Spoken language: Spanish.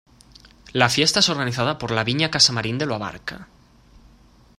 La fiesta es organizada por la viña Casa Marín de Lo Abarca.